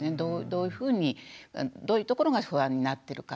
どういうふうにどういうところが不安になってるかっていう。